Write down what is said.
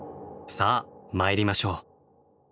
さあ参りましょう。